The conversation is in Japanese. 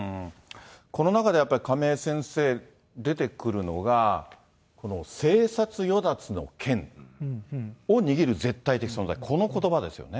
この中でやっぱり、亀井先生、出てくるのが、生殺与奪の権を握る絶対的存在、このことばですよね。